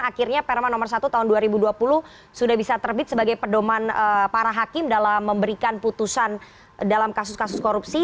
akhirnya perma nomor satu tahun dua ribu dua puluh sudah bisa terbit sebagai pedoman para hakim dalam memberikan putusan dalam kasus kasus korupsi